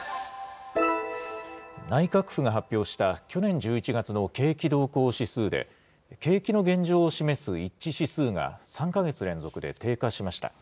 内閣府が発表した去年１１月の景気動向指数で、景気の現状を示す一致指数が３か月連続で低下しました。